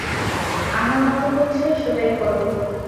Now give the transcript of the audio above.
আমার মত হচ্ছে, সেটাই করো।